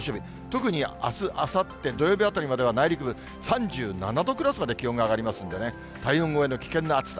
特にあす、あさって、土曜日あたりまでは内陸部、３７度クラスまで気温が上がりますのでね、体温超えの危険な暑さ。